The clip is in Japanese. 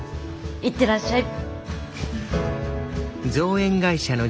行ってらっしゃい。